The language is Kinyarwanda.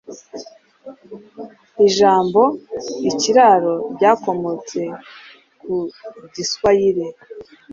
ijambo ikiraro ryakomotse ku giswayire